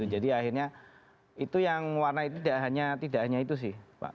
jadi akhirnya itu yang warna itu tidak hanya itu sih pak